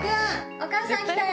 お母さん来たよ。